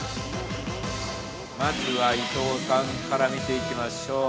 ◆まずは、伊藤さんから見ていきましょう。